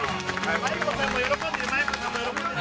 万由子さんも喜んでる万由子さんも喜んでる。